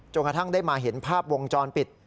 กระทั่งได้มาเห็นภาพวงจรปิด